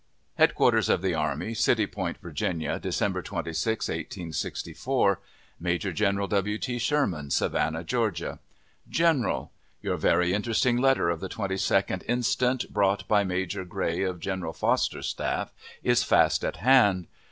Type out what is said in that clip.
HEADQUARTERS OF THE ARMY CITY POINT, VIRGINIA, December 26, 1864. Major General W. T. SHERMAN, Savannah, Georgia. GENERAL: Your very interesting letter of the 22d inst., brought by Major Grey of General Foster's staff; is fast at hand.